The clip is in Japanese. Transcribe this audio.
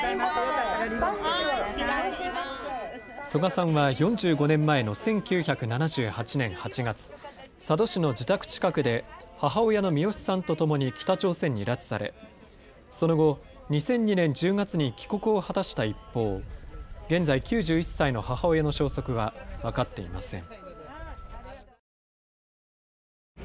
曽我さんは４５年前の１９７８年８月、佐渡市の自宅近くで母親のミヨシさんとともに北朝鮮に拉致されその後、２００２年１０月に帰国を果たした一方、現在、９１歳の母親の消息は分かっていません。